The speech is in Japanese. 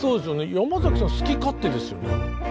山崎さん好き勝手ですよね。